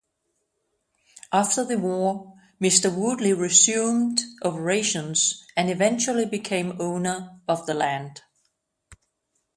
After the war, Mr Woodley resumed operations and eventually became owner of the land.